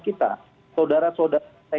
kita saudara saudara saya